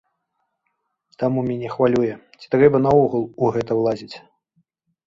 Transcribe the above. Таму мяне хвалюе, ці трэба наогул у гэта ўлазіць?